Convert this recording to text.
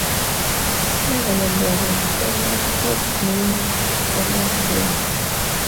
"Cleveland" was an earlier codename for "Nashville".